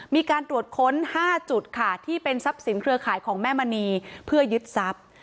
มีการตรวจค้น๕จุดค่ะที่เป็นทรัพย์สินเครือข่ายของแม่มณีเพื่อยึดทรัพย์